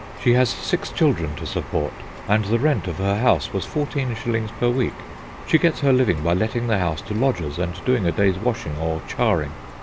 She has six children to support, and the rent of her house was fourteen shillings per week. She gets her living by letting the house to lodgers and doing a day's washing or charring.